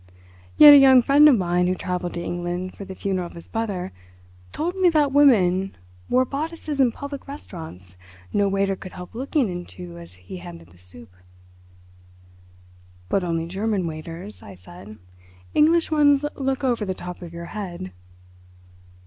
"Yet a young friend of mine who travelled to England for the funeral of his brother told me that women wore bodices in public restaurants no waiter could help looking into as he handed the soup." "But only German waiters," I said. "English ones look over the top of your head."